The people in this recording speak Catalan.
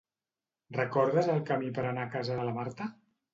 Recordes el camí per anar a casa de la Marta?